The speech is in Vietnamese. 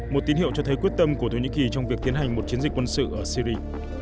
một tín hiệu cho thấy quyết tâm của thổ nhĩ kỳ trong việc tiến hành một chiến dịch quân sự ở syri